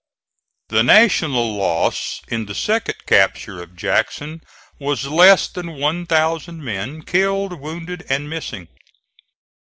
The National loss in the second capture of Jackson was less than one thousand men, killed, wounded and missing.